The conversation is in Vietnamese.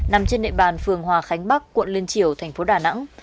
nằm trên nệm bàn phường hòa khánh bắc quận liên triều tp đà nẵng